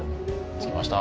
着きました。